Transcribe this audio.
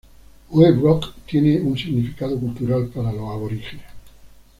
Wave Rock tiene un significado cultural para los aborígenes.